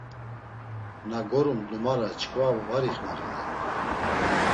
Na gorumt numara çkva va ixmarinen.